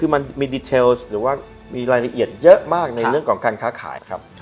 มันมีรายละเอียดเยอะมากในเรื่องของการค้าขาย